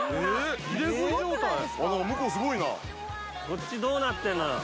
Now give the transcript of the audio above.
こっちどうなってんのよ